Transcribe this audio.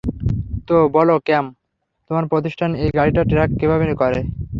তো, বলো ক্যাম, তোমার প্রতিষ্ঠান এই গাড়িটা ট্র্যাক কীভাবে করে?